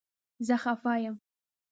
زه خفه یم